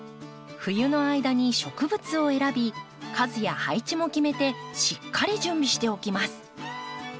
冬の間に植物を選び数や配置も決めてしっかり準備しておきます。